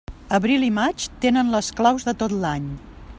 Abril i maig tenen les claus de tot l'any.